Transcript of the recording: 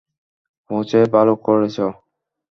পৌঁছে ভালো করেছ।